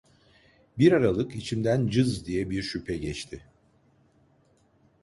Bir aralık içimden cız diye bir şüphe geçti: